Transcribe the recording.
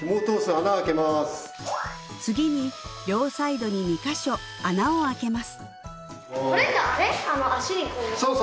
次に両サイドに２か所穴を開けますそう